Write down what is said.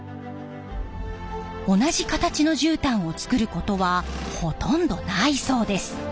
同じ形のじゅうたんを作ることはほとんどないそうです。